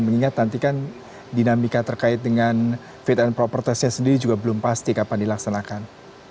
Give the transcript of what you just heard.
mengingat nanti kan dinamika terkait dengan fit and proper testnya sendiri juga belum pasti kapan dilaksanakan